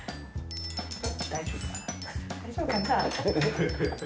大丈夫かな？